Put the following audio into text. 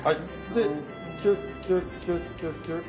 でキュッキュッキュッキュッキュッ。